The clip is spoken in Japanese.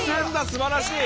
すばらしい！